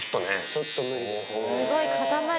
ちょっと無理ですね。